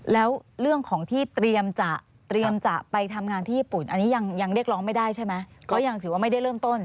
แล้วเรื่องของที่เตรียมจะเตรียมจะไปทำงานที่ญี่ปุ่นอันนี้ยังเรียกร้องไม่ได้ใช่ไหมก็ยังถือว่าไม่ได้เริ่มต้น